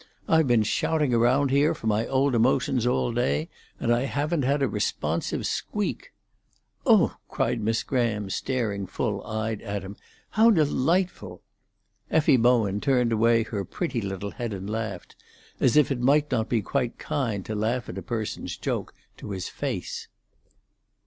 I've been shouting around here for my old emotions all day, and I haven't had a responsive squeak." "Oh!" cried Miss Graham, staring full eyed at him. "How delightful!" Effie Bowen turned away her pretty little head and laughed, as if it might not be quite kind to laugh at a person's joke to his face.